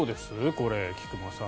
これ菊間さん